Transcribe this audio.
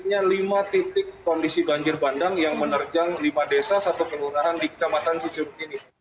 hanya lima titik kondisi banjir bandang yang menerjang lima desa satu kelurahan di kecamatan cicuk ini